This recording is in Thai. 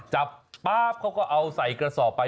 จับป๊าบเขาก็เอาใส่กระสอบไป